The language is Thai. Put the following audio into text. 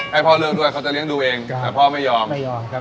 ให้พ่อเลิกด้วยเขาจะเลี้ยงดูเองแต่พ่อไม่ยอมไม่ยอมครับ